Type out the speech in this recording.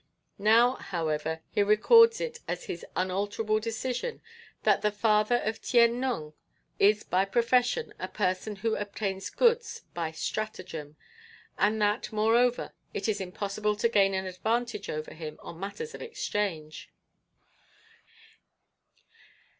Now, however, he records it as his unalterable decision that the father of Tien Nung is by profession a person who obtains goods by stratagem, and that, moreover, it is impossible to gain an advantage over him on matters of exchange.